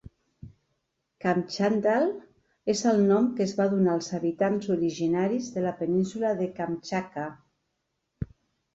"Kamtxadal" és el nom que es va donar als habitants originaris de la península de Kamtxatka.